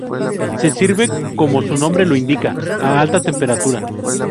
Se sirve, como su nombre lo indica, a alta temperatura.